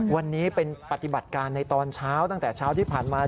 วันนี้เป็นปฏิบัติการในตอนเช้าตั้งแต่เช้าที่ผ่านมา